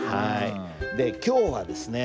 で今日はですね